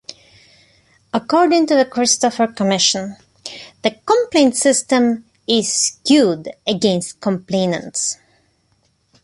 According to the Christopher Commission '... the complaint system is skewed against complainants.